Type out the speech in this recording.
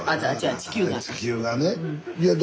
地球がね。